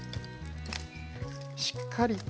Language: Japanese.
しっかりと。